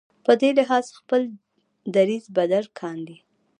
په دې لحاظ خپل دریځ بدل کاندي.